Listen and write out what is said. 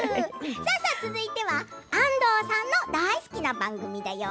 続いては安藤さんの大好きな番組だよ。